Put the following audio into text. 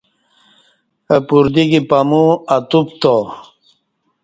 اہ پردیکی پمو اتوپتا